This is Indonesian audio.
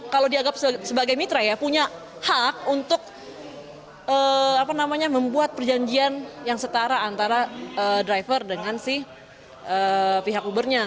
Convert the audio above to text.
kalau dianggap sebagai mitra ya punya hak untuk membuat perjanjian yang setara antara driver dengan si pihak ubernya